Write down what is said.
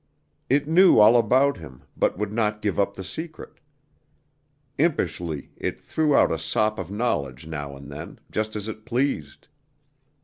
It knew all about him, but would not give up the secret. Impishly, it threw out a sop of knowledge now and then, just as it pleased.